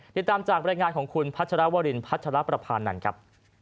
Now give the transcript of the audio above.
ติดตามจากบรรยายงานของคุณพัชรวรินพัชรประพานันทร์ครับ